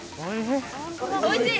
おいひい。